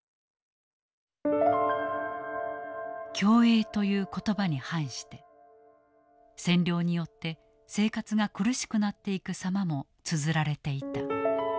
共栄という言葉に反して占領によって生活が苦しくなっていく様もつづられていた。